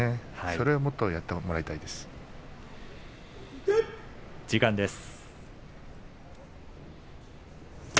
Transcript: それを、もっとやってもらいたいです。